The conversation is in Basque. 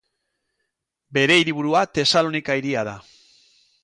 Bere hiriburua Tesalonika hiria da.